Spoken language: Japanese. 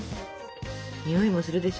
匂いもするでしょ